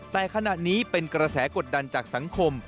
แต่ขณะนี้เป็นกระแสกดดันจากสังคม